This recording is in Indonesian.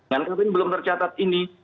dan kawin belum tercatat ini